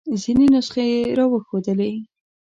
ځینې نسخې یې را وښودلې.